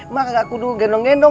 maka gak kudu gendong gendong